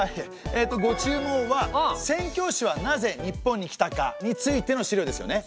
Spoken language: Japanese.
えっとご注文は宣教師はなぜ日本に来たか？についての資料ですよね。